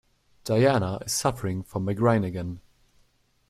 Diana is suffering from migraine again.